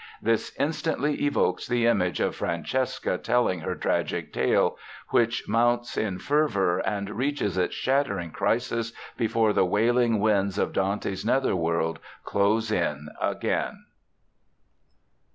This instantly evokes the image of Francesca telling her tragic tale, which mounts in fervor and reaches its shattering crisis, before the wailing winds of Dante's netherworld close in again.